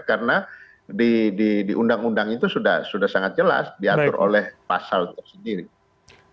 karena di undang undang itu sudah sangat jelas diatur oleh pasal itu sendiri